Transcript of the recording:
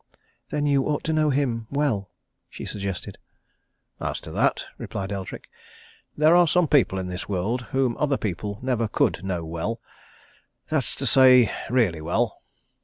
"Then you ought to know him well," she suggested. "As to that," replied Eldrick, "there are some people in this world whom other people never could know well that's to say, really well.